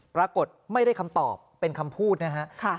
ปรากฏไม่ได้คำตอบเป็นคำพูดนะฮะ